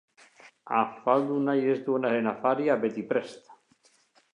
Afaldu nahi ez duenaren afaria beti prest.